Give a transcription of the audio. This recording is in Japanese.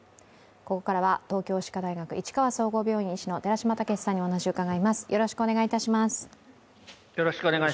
ここからは東京歯科大学市川総合病院医師の寺嶋毅さんにお話を伺います。